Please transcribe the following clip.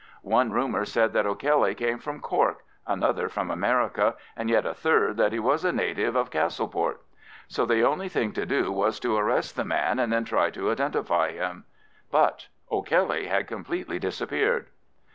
One rumour said that O'Kelly came from Cork, another from America, and yet a third that he was a native of Castleport. So the only thing to do was to arrest the man and then try to identify him; but O'Kelly had completely disappeared.